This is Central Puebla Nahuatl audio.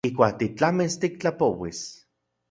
Ijkuak titlamis tiktlapouis.